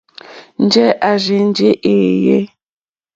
Njɛ̂ à rzênjé èèyé.